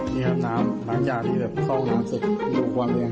นี่ครับน้ำน้ำยาที่แบบท่องน้ำสิมีความแรง